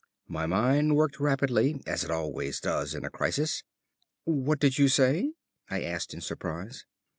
My mind worked rapidly, as it always does in a crisis. "What did you say?" I asked in surprise.